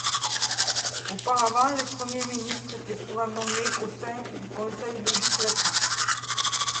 Auparavant, les Premiers ministres étaient souvent nommés au sein du Conseil législatif.